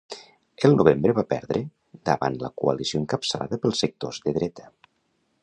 El novembre va perdre davant la coalició encapçalada pels sectors de dreta.